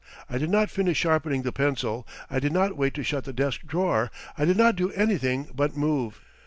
I did not finish sharpening the pencil. I did not wait to shut the desk drawer. I did not do anything but move.